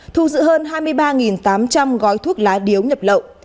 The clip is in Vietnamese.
thu giữ hơn hai mươi ba tám trăm linh gói thuốc lá điếu nhập lậu